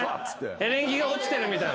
エリンギが落ちてるみたい。